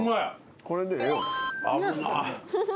これでええよ。